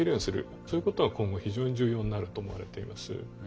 そういうことが今後非常に重要になると思われています。